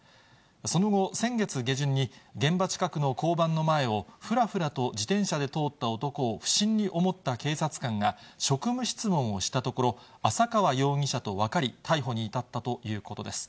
その後、先月下旬に現場近くの交番の前をふらふらと自転車で通った男を不審に思った警察官が職務質問をしたところ、浅川容疑者と分かり、逮捕に至ったということです。